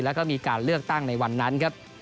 แล้วก็มีการเลือกตั้งในวันนั้นครับ